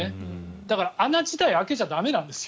だから、穴自体開けちゃ駄目なんですよ。